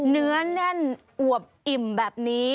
เนื้อแน่นอวบอิ่มแบบนี้